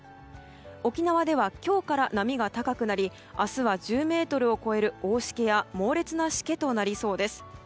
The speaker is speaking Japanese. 沖縄では今日から波が高くなり明日は１０ｍを超える大しけや猛烈なしけとなりそうです。